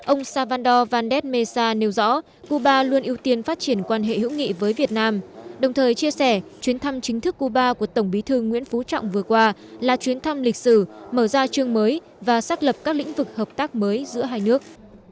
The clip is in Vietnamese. ông salvando vandes mesa nêu rõ cuba luôn ưu tiên phát triển quan hệ hữu nghị với việt nam đồng thời chia sẻ chuyến thăm chính thức cuba của tổng bí thư nguyễn phú trọng vừa qua là chuyến thăm lịch sử mở ra chương mới và xác lập các lĩnh vực hợp tác mới giữa hai nước